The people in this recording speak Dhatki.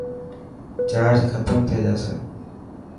چارج ختم ٿي جاسي.